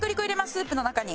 スープの中に。